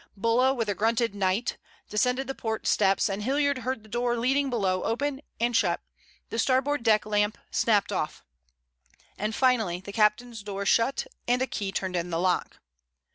Bulla with a grunted "'Night" descended the port steps and Hilliard heard the door leading below open and shut; the starboard deck lamp snapped off, and finally the captain's door shut and a key turned in the lock.